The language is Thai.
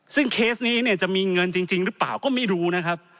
ซึ่งเคสนี้เนี่ยจะมีเงินจริงหรือเปล่าก็ไม่รู้นะครับ